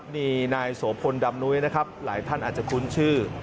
มีนายโสพลดำนุ้ยนะครับหลายท่านอาจจะคุ้นชื่อ